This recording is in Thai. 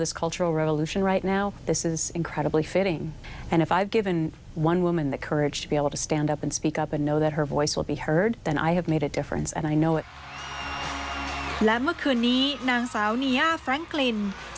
สาวงามจากรัฐนิวยอร์บก็เป็นผู้คว้ามงกุฎมิสอเมริกาประจำปี๒๐๑๙